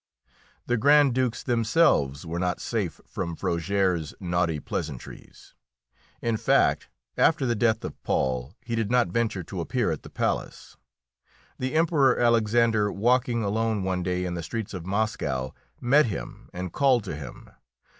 The Grand Dukes themselves were not safe from Frogères's naughty pleasantries; in fact, after the death of Paul, he did not venture to appear at the palace. The Emperor Alexander, walking alone one day in the streets of Moscow, met him and called to him.